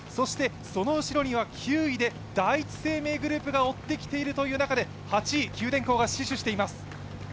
その後ろには９位で第一生命グループが追ってきているという中で８位、九電工が死守しています。